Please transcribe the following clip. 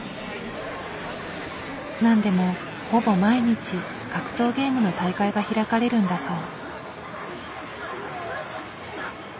何でもほぼ毎日格闘ゲームの大会が開かれるんだそう。